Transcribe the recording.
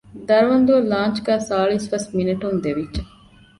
ދަރަވަންދުއަށް ލާންޗުގައި ސާޅީސް ފަސް މިނެޓުން ދެވިއްޖެ